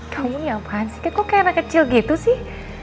kamu nyampahan sih kok kayak anak kecil gitu sih